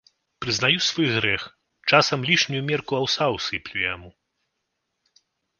Прызнаю свой грэх, часам лішнюю мерку аўса ўсыплю яму.